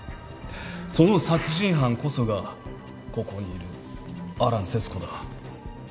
その殺人犯こそがここにいる安蘭世津子だ。